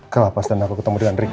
kelapas dan aku ketemu dengan rik